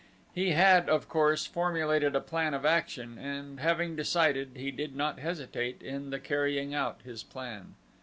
He had, of course, formulated a plan of action and, having decided, he did not hesitate in the carrying out his plan.